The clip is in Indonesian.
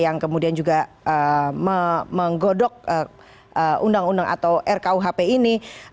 yang kemudian juga menggodok undang undang atau rkuhp ini